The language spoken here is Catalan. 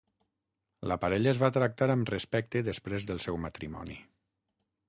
La parella es va tractar amb respecte després del seu matrimoni.